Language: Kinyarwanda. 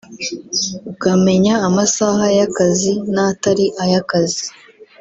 ukamenya amasaha y’akazi n’atari ay’akazi